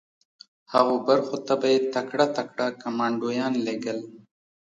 هغو برخو ته به یې تکړه تکړه کمانډویان لېږل